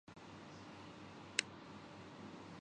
سرفراز نے بلے بازوں کو شکست کا ذمہ دار قرار دے دیا